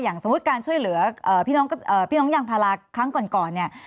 อย่างสมมุติการช่วยเหลือพี่น้องอย่างภาราครั้งก่อนนะ